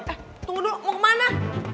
eh tunggu dulu mau kemana